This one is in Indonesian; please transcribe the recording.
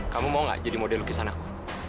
kamu mau gak jadi model lukisan aku